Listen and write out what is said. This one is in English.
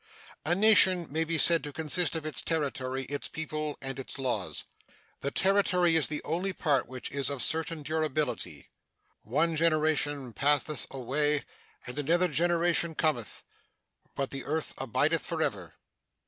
A nation may be said to consist of its territory, its people, and its laws. The territory is the only part which is of certain durability. "One generation passeth away and another generation cometh, but the earth abideth forever."